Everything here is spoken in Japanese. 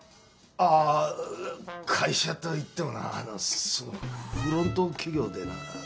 ああ会社といってもなあのそのフロント企業でなあの。